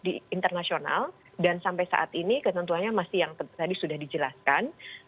jadi kita harus berlaku internasional dan sampai saat ini ketentuannya masih yang tadi sudah dijelaskan